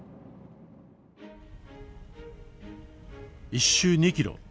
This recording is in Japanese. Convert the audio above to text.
一周２キロ。